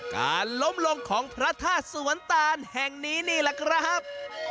การล้มลงของพระธาตุสวนตานแห่งนี้นี่แหละครับ